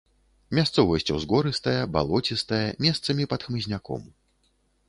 Мясцовасць узгорыстая, балоцістая, месцамі пад хмызняком.